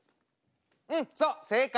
うんそう正解。